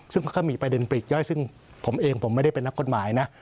ซึ่งมันก็มีประเด็นปลีกย่อยซึ่งผมเองผมไม่ได้เป็นนักกฎหมายนะ